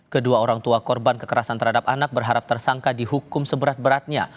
kedua orang tua korban kekerasan terhadap anak berharap tersangka dihukum seberat beratnya